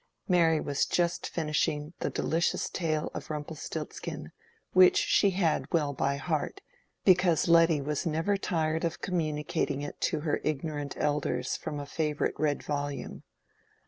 Mary was just finishing the delicious tale of Rumpelstiltskin, which she had well by heart, because Letty was never tired of communicating it to her ignorant elders from a favorite red volume.